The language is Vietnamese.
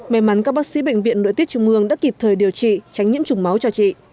may mắn các bác sĩ bệnh viện nội tiết trung ương đã kịp thời điều trị tránh nhiễm trùng máu cho chị